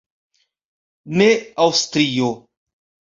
Ne Aŭstrio.